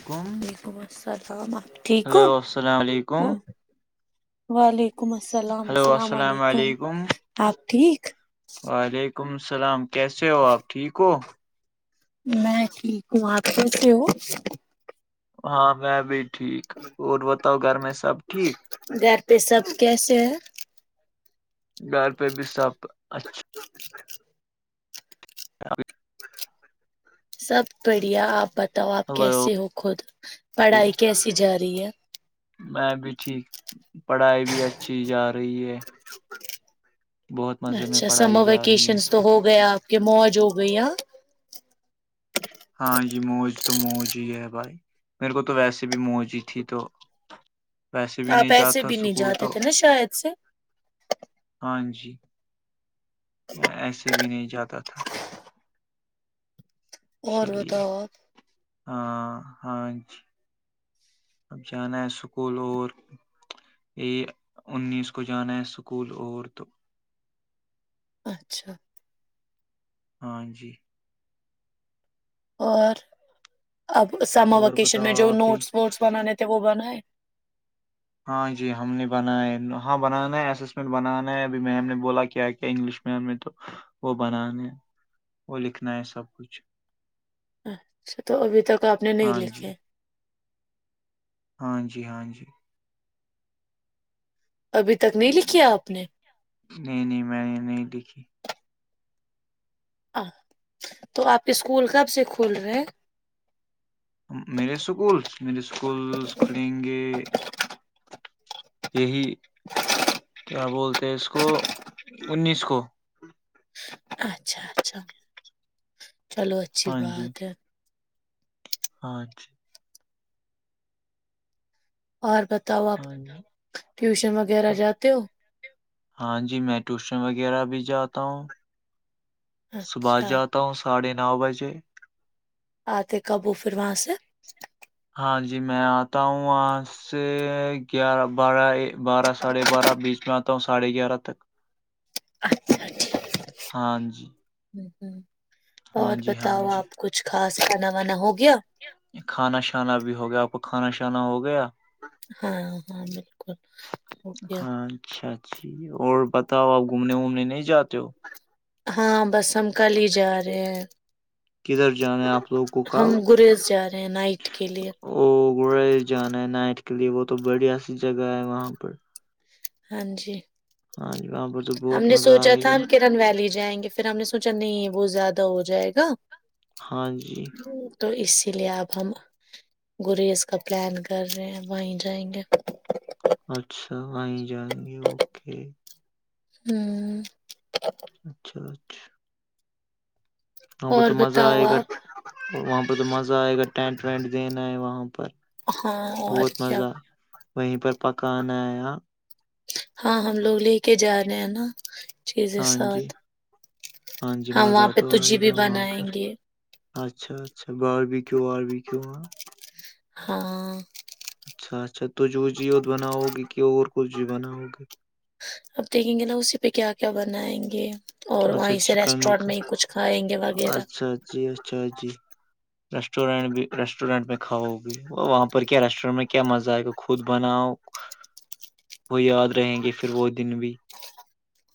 حکم وعلیکم السلام ٹھیک ہلو ہو السلام علیکم ولیک ہلو السلام السلام علیکم اپ ٹھیک وعلیکم السلام کیسے ہو آپ ٹھیک ہو میں ھیک ہمات کےتے ہو ہاں میں بھی ٹھیک اور بتاؤ گھر میں سب ٹھیک گھر پہ سب کیسے ہیں گھر پہ بھی سب اچھا ابھی سب بڑھیا آپ بتاؤ آپ ہلو کیسے ہو خود پڑھائی کیسی جا رہی ہے میں بھی ٹھیک پڑھائی بھی اچھی جا رہی ہے بہت مزے میں اچھا پڑھائی سمر جا رہی ہے ویکیشن اس تو ہو وقت گیا کہ موج ہو گئی آ ہاں جی موج تو موج ہی ہے بھائی میرے کو تو ویسے بھی موج ہی تھی تو ویسے بھی آپ نہیں ایسے جاتا بھی نہیں سکول جاتے تو تھے نا شاید سے ہاں جی میں ایسے بھی نہیں جاتا تھا اسی اور لیے بتاؤ آپ ہاں ہاں جی اب جانا ہے اسکول اور یہ انیس کو جانا ہے اسکول اور تو اچھا ہاں جی اور اب سمر اور ویکیشن میں بتاؤ جو آپ ہی نوٹس ووٹس بنانے تھے وہ بنائے ہاں جی ہم نے بنا ہے ہاں بنانا اسسمنٹ بنانا ہے ابھی میم نے بولا کیا کیا انگلش میں تو وہ بنانا ہے وہ لکھنا ہے سب کچھ اچھا تو ابھی تک آپ نے نہیں ہاں جی لکھے ہاں جی ہاں جی ابھی تک نہیں لکھی آپ نے نہیں نہیں میں نے نہیں لکھی ا تو آپ اسکول کب سے کھول رہے ہیں میرے اسکولس میرے اسکولس کھلیں گے یہی کیا بولتے ہیں اس کو انیس کو اچھا اچھا چلو اچھی بات ہے اچھا اور بتاؤ آپ ہاں جی ٹیوشن وغیرہ جاتے ہو ہاں جی میں ٹیوشن وغیرہ بھی جاتا ہوں صبح اچھا جاتا ہوں ساڑھے نو بجے آتے کب ہو پھر وہاں سے ہاں جی میں آتا ہوں وہاں سے گیارہ بارہ بارہ ساڑھے بارہ بیچ میں آتا ہوں ساڑھے گیارہ تک [unintelligible] ہاں جی ہ ہ ہاں اور جی ہاں بتاؤ جی آپ کچھ خاص کھانا وانا ہو گیا کھانا شانا بھی ہو گیا آپ کو کھانا شانا ہو گیا ہاں ہاں بالکل ہوگیا ہاں اچھا اچ جی اور بتاؤ آپ گھومنے وومنے نہیں جاتے ہو ہاں بس ہم کل ہی جا رہے ہیں کدھر جانا ہے آپ لوگوں کو ہم کل گریز جا رہے ہیں نائٹ کے لیے او گ جانا ہے نائٹ کے لیے وہ تو بڑیا سی جگہ ہے وہاں پر ہاں جی ہاں جی وہاں پر تو ہم بہت نے مزہ سوچا آئے تھا گا ہم کرن ویلی جائیں گے پھر ہم نے سوچا نہیں وہ زیادہ ہو جائے گا ہاں جی تو اسی لیے اب ہم گریز کا پلان کر رہے ہیں وہیں جائیں گے اچھا آیں جائیں گے اوکے ہوں اچھا اچھا وہاں پر اور تو مزہ بتاؤ آئے گا آپ وہاں پر تو مزہ آئے گا ٹینٹ وینٹ دینا ہے وہاں پر ہاں اور بہت کیا مزہ وہیں پر پکان آیا ہاں ہم لوگ لے کے جا رہے ہیں نا چیز ہاں جی ساتھ جی ہاں مزہ وہاں پہ تو ت جی آئے بھی گا وہاں پر بنائیں گے اچھا اچھا بارب کیو وارب کیو ہاں ہاں اچھا اچھا تجھ وہ جی بناؤگی کہ اور کچھ بھی بناؤ گے اب دیکھیں گے نا اسی پہ کیا کیا بنائیں گے اور اچھا وہیں سے چکن ریسٹورینٹ وکن میں ہی کچھ کھائیں گے وغیرہ اچھا جی اچھا جی ریسٹورینٹ بھی ریسٹورینٹ میں کھاؤگی وہ وہاں کیا ریسٹورینٹ میں کیا مزہ آئے گا خود بناؤ وہ یاد رہیں گے پھر وہ دن بھی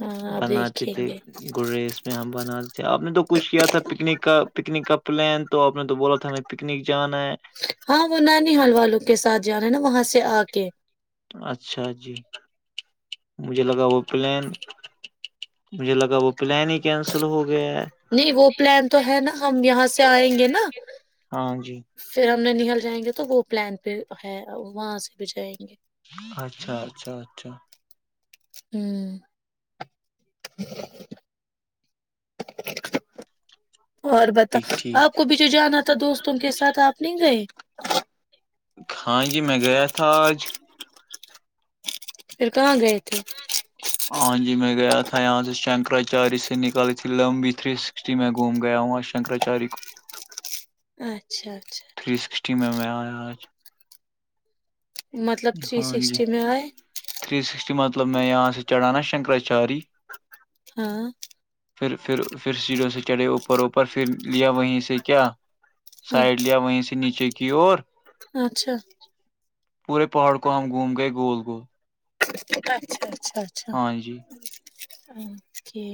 ہاں آپ بناتے دیکھیں تھے گے گریز یہاں بناے تھے آپ نے تو کچھ کیا تھا پکنک کا پکنک کا پلان تو آپ نے تو بولا تھا ہمیں پکنک جانا ہے ہاں وہ نانی حال والوں کے ساتھ جانا ہے نا وہاں سے آ کے اچھا جی مجھے لگا وہ پلین مجھے لگا وہ پل نہیں کینسل ہو گیا ہے نہیں وہ پلان تو ہے نا ہم یہاں سے آئیں گے نا ہاں جی پھر ہم نے نل جائیں گے تو وہ پلان پہ ہے وہاں سے بھی جائیں گے اچھا اچھا اچھا ہوں [inaudible] اور بتا ٹھیک آپ ٹھیک کو بھی جو جانا تھا دوستوں کے ساتھ آپ نہیں گئے ہاں جی میں گیا تھا آج پھر کہاں گئے تھے ہاں جی میں گیا تھا یہاں سے شنکراچاریہ سے نکالی تھی لمبی تھری اس میں گھوم گیا ہوں اور شنکراچاریہ کو اچھا اچھا تھری سکسٹی میں میں آیا آج مطلب تھری ہاں جی سکسٹی میں آئے تھری سکسٹی مطلب میں یہاں سے چڑھان نا شنکراچار ہاں پھر پھر پھر سیروں سے چڑھے اوپر اوپر پھر لیا وہیں سے کیا ہاں سائڈ لیا وہیں سے نیچے کی اور اچھا پورے پہاڑو گوم گئے گول گول اچھا اچھا اچھا ہاں جی اکے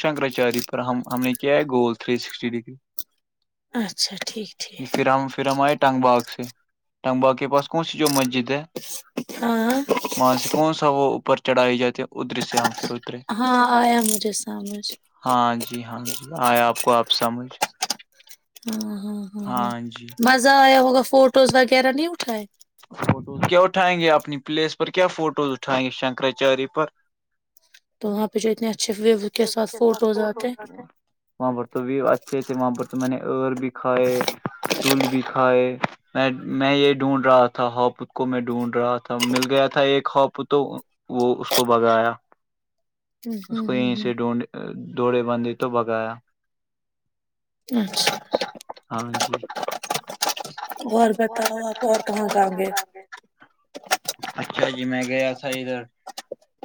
شنکراچاریہ پر ہم ہم نے کیا ہے گول تھری سکسٹی ڈگری اچھا ٹھیک یہ ٹھیک فرام فرام ہے ٹگ با سے ٹنگباغ کے پس کون سی جو مسجد ہاں مانس کون سا وہ اوپر چڑھائی جاتے ادھر سے ہم پھر ادھرے ہاں آ مجھےس سمجھ ہاں جی ہاں جی آئے آپ کو آپ سمجھ ہاں ہاں ہاں ہاں مزہ آیا ہوگا فوٹوز وغیرہ نہیں اٹھائے فوٹوز کیا اٹھائیں گے اپنی پلیس پر کیا فوٹوز اٹھائیں گے شنکراچاریہ پر تو وہاں پہ جو اتنے اچھے ویو کے ساتھ فوٹوز آتے وہاں پر تو بھی اچھے تھے وہاں پر تو میں نے ار بھی کھائے دول بھی کھائے میں میں یہ ڈھونڈ رہا تھا ہاپوت کو میں ڈھونڈ رہا تھا مل گیا تھا ایک ہاپو تو وہ اس کو بگایا ہوں اس ہوں کو ہوں یہیں ہوں سے ڈھونڈ دوڑے بندی تو بگایا اچھا ہاں جی اور بتاؤ آپ اور کہاں جیں گے اچھا جی میں گیا تھا ادھر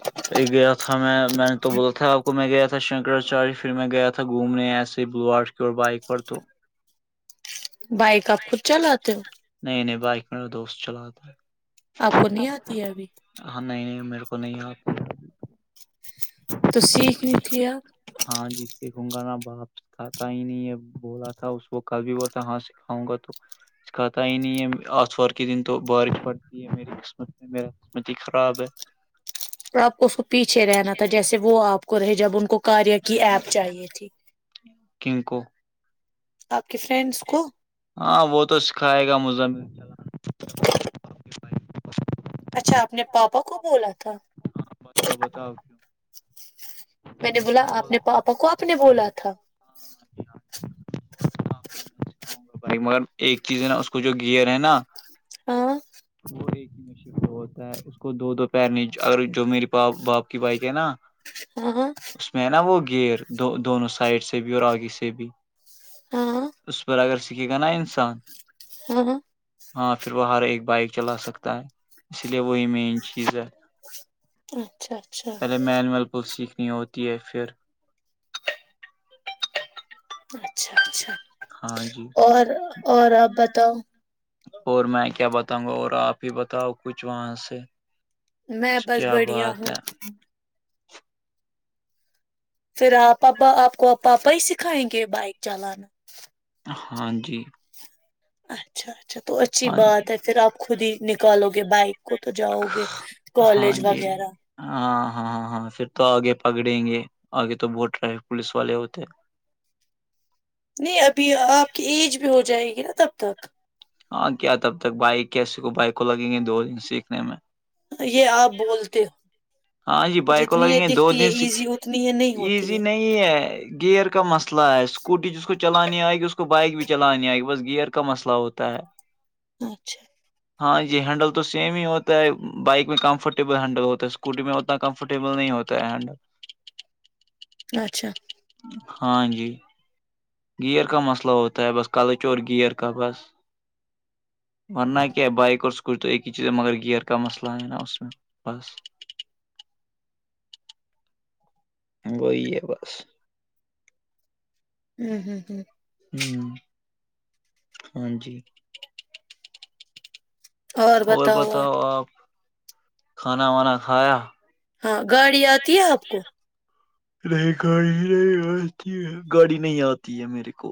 چ گیا تھا میں میں نے تو بولا تھا آپ کو میں گیا تھا شنکراچار پھر میں گیا تھا گھومنے ایسے بلوار کی بائک پر تو بائک آپ خود چلاتے ہو نہیں نہیں بائک میرا دوست چلاتا ہے آپ کو نہیں آتی ہے ابھی ہاں نہیں نہیں میرے کو نہیں تو سیکھنی تھی آپ ہاں جیس سے ہنگا نا باپ کھا ہی نہیں ہے بولا تھا اس کو کل بھی بولتا ہاتاں سے کاؤں گا تو اس کہاتا ہی نہیں ہے آتوار کے دن تو بارش پڑتی ہے میری قسمت میرا مت خراب ہے آپ کو اس کو پیچھے رہنا تھا جیسے وہ آپ کو رہے جب ان کو کاریہ کی ایپ چاہیے تھی کنگ کو آپ کی فرینڈس کو ہاں وہ تو سکھائے گا مز [inaudible] اچھا اپنے پاپا کو بولا تھا ہاں بتاؤ بتاؤ کیوں میں نے مجھے تو بولا بول آپنے پاپا کو آپ نے بولا تھا ہاں ہاں جی جی بول ہاں ہاں سکھاؤں گا بھائی مگر ایک چیز ہے نا اس کو جو گیئر ہے نا ہاں وہ ایک ہی مشق ہوتا ہے اس کو دو دو پیر نہیں اگر جو می باپ کی بائک ہے نا ہ ہاں اس میں ہے نا وہ گیئر دونوں سائڈ سے بھی اور آگی سے بھی ہاں اس پر اگر سیکھے گا نا انسان ہاں ہاں ہاں پھر وہ ہر ایک بائک چلا سکتا ہے اس لیے وہی مین چیز ہے اچھا اچھا پہلے مل مل کول سیکھنی ہوتی ہے پھر اچھا اچھا ہاں جی اور اور آپ بتاؤ اور میں کیا بتاؤں گا اور آپ ہی بتاؤ کچھ وہاں سے میں بس کیا بڑھیا بات ہوں ہے پھر آپپا آپ کو پاپا ہی سکھائیں گے بائک چلانا ہاں جی اچھا اچھا تو اچھی ہاں بات جی ہے پھر آپ خود ہی نکالو گے بائک کو تو جاؤ گے ہاں کالج جی وغیرہ ہاں ہاں ہاں ہاں پھر تو آگے پکڑیں گے آگے تو بہت ٹف پولیس والے ہوتے نہیں ابھی آپ کی ایج بھی ہو جائے گی نا تب تک ہاں کیا تب تک بائک کی س کو بائک کو لگیں گے دو دن سیکھنے میں یہ آپ بولتے ہاں جی ہو بائک کو جتنی لگیں یہ گے دو دکھتی ہے دن سیکھ ایزی اتنی ہی نہیں ہوتی ایزی ہے نہیں گیئر کا مسئلہ ہے اسکوٹی جس کو چلانی آئے گی اس کو بائک بھی چلانی آئے گی بس گیئر کا مسئلہ ہوتا ہے اچھا ہاں یہ ہینڈل تو سیم ہی ہوتا ہے بائک میں کمفرٹیبل ہینڈل ہوتا ہے اس کو اسکوٹی میں اتنا کمفرٹیبل نہیں ہوتا ہے ہینڈ اچھا ہاں جی گیئر کا مسئلہ ہوتا ہے بس کلچ اور گیئر کا بس ورنہ کیا ہے بائک اور س کچھ تو ایک ہی چیز مگر گئر کا مسئلہ ہےئے نا اس میں بس وہی ہے بس ہوں ہوں ہ ہوں ہاں جی اور بتاؤ آپ کھانا وانا کھایا ہاں گاڑی آتی ہے آپ کو رے گاڑ ر آ گاڑی نہیں آتی ہے میرے کو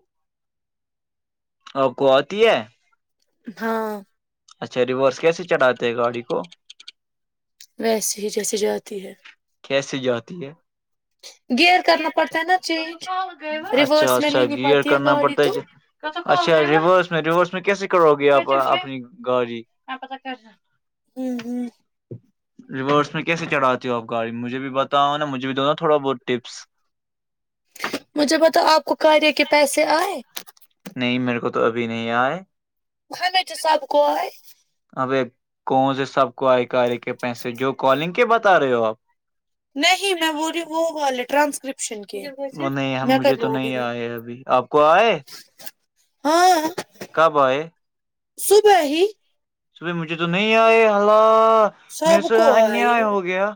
اور کو آتی ہے ہاں اچھا ریورس کیسے چڑھاتے ہیں گاڑی کو ویسیے ہی جیسیے جاتی ہے کیسے جاتی ہے [inaudible] گئر کرنا پڑتے ہے نا چینج ریوورس اچھا میں اچھا لینی گیئر پتی یہ کرنا گاڑی پڑتا تو ہے اچھا ریورس میں ریورس میں کیسے کرو گے آپ اپنی گاڑی ہوں ہوں ریورس میں کیسے چڑھاتی ہووں آپای مجھے بھی بتاؤ نا مجھے بھی دو نا تھوڑا بہت ٹپس مجھے بتاؤ آپ کو کاریہ کے پیسے آئے نہیں میرے کو تو ابھی نہیں آئے ہمچ سب کو اب ایک کون سے سب کو آئے کئے کے پیسے جو کالنگ کے بتا رہے ہو آپ نہیں میں وہولی وہ والا ہے ٹرانسکرپٹ وہ نہیں میں ہم مجھے کر تو ل نہیں گی آئے ابھی آپ کو آئے ہاں کب ہے صبح ہی صبائی مجھے تو نہیں آئے ہال میرے سب سے کو آئے انیا ہو گیا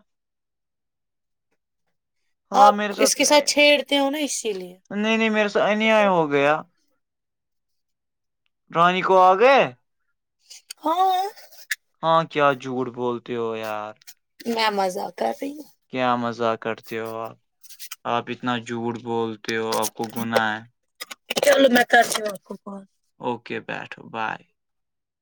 اللہ آپ میرے اس کے ساتھ چھیڑتے ہو نا اسی لیے نہیں نہیں میرے سے انیا ہو گیا رانی کو آگے ہاں ہاں کیا جھوٹ بولتے ہو یار میں مزہ کر رہی ہوں کیا مزہ کرتے ہو آپ آپ اتنا جھوٹ بولتے ہو آپ کو گناہ ا بول میکا آ کون اوکے بیٹھو بائے